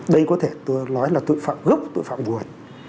đây có thể tôi nói là tội phạm gốc tội phạm buôn